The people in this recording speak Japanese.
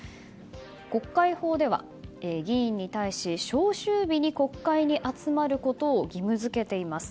国会法では議員に対し召集日に国会に集まることを義務付けています。